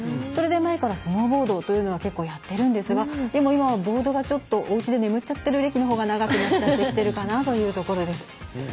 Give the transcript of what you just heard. それで前からスノーボードというのはやっているんですがでも、今はボードが、おうちで眠っちゃってる歴のほうが長くなっているかなという感じです。